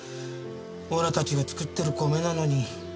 おらたちが作ってる米なのに。